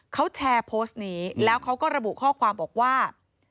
เขาแชร์โพสต์นี้แล้วเขาก็ระบุข้อความบอกว่า